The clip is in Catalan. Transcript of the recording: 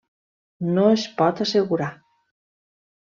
No es pot assegurar.